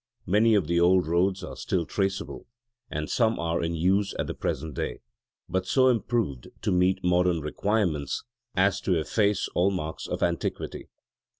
Many of the old roads are still traceable: and some are in use at the present day, but so improved to meet modern requirements as to efface all marks of antiquity.